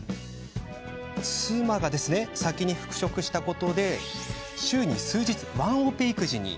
妻が先に復職したことで週に数日、ワンオペ育児に。